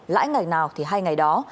lãi ngày nào thì hay ngày đó